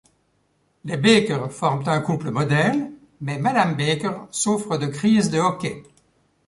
Les Baker forment un couple modèle, mais madame Baker souffre de crises de hoquets.